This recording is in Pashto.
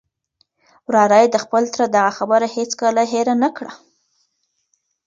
وراره یې د خپل تره دغه خبره هیڅکله هېره نه کړه.